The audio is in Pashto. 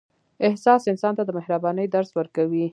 احساس انسان ته د مهربانۍ درس ورکوي.